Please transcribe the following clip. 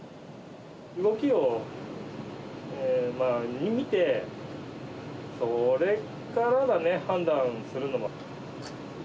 動きを見て、それからだね、判断するのは。